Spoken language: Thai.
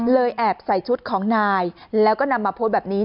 แอบใส่ชุดของนายแล้วก็นำมาโพสต์แบบนี้